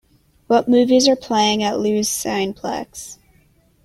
What movies are playing at Loews Cineplex?